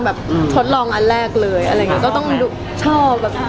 แบบทดลองอันแรกเลยอะไรอย่างนี้ก็ต้องชอบ